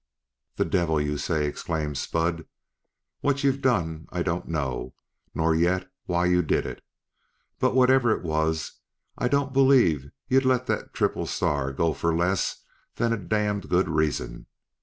"The devil you say!" exclaimed Spud. "What you've done I don't know, nor yet why you did it. But, whatever it was, I don't believe you let that triple star go for less than a damned good reason.